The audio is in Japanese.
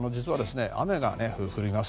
雨が降ります。